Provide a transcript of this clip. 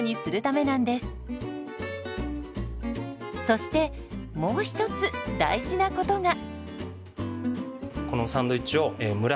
そしてもう一つ大事なことが。